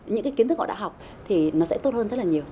những cái kiến thức họ đã học thì nó sẽ tốt hơn rất là nhiều